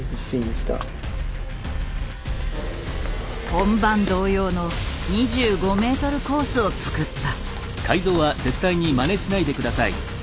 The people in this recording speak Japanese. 本番同様の２５ｍコースを作った。